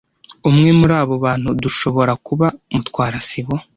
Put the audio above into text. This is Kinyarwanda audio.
Umwe muri abo bantu dushoborakuba Mutwara sibo.